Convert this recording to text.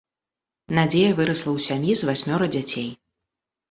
Надзея вырасла ў сям'і з васьмёра дзяцей.